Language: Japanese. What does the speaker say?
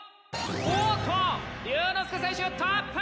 おーっと竜之介選手トップ！